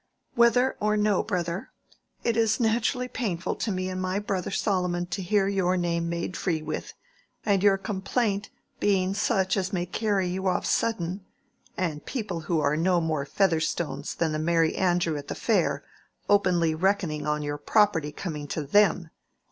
"Whether or no, brother, it is naturally painful to me and my brother Solomon to hear your name made free with, and your complaint being such as may carry you off sudden, and people who are no more Featherstones than the Merry Andrew at the fair, openly reckoning on your property coming to them.